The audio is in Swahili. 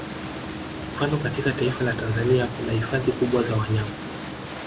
Mfano katika taifa la Tanzania kuna hifadhi kubwa za wanyama